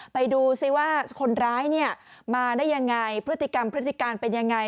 ไปดูซิว่าคนร้ายเนี่ยมาได้ยังไงพฤติกรรมพฤติการเป็นยังไง